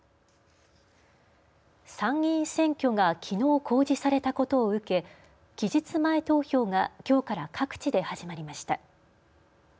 参議院選挙がきのう公示されたことを受け期日前投票がきょうから各地で始まりました。